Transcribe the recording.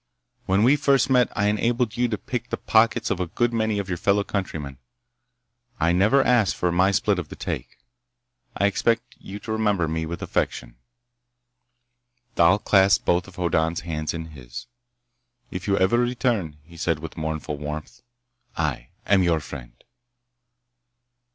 "When we first met I enabled you to pick the pockets of a good many of your fellow countrymen. I never asked for my split of the take. I expect you to remember me with affection." Thal clasped both of Hoddan's hands in his. "If you ever return," he said with mournful warmth, "I am your friend!"